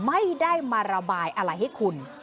ไม่ได้มาระบายอะไรให้คุณ